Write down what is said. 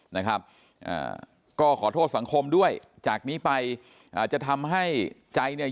นะครับอ่าก็ขอโทษสังคมด้วยจากนี้ไปอ่าจะทำให้ใจเนี่ย